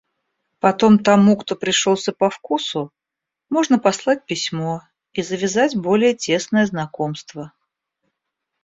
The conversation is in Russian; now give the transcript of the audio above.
Потом тому, кто пришелся по вкусу, можно послать письмо и завязать более тесное знакомство.